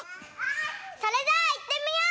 それじゃあいってみよう！